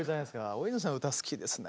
大泉さんの歌好きですね。